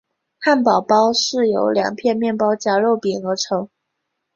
汉堡包是由两片面包夹肉饼而成。